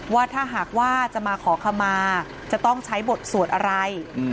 ว่าถ้าหากว่าจะมาขอขมาจะต้องใช้บทสวดอะไร